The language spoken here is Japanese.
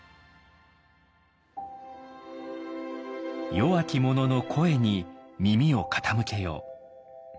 弱き者の声に耳を傾けよう。